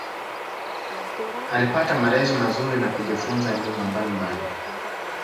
Alipata malezi mazuri na kujifunza lugha mbalimbali.